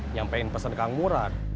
nyampein pesen kang murad